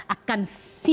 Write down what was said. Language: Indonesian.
akan siap menelikum samsung